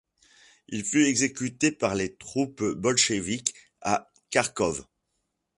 Il fut exécuté par les troupes bolchéviques à Kharkov.